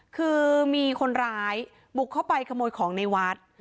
คือมีคนร้ายบุกเข้าไปขโมยของในวัด